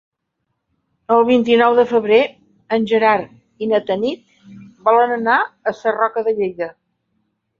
El vint-i-nou de febrer en Gerard i na Tanit volen anar a Sarroca de Lleida.